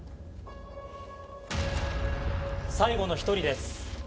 最後の１人です。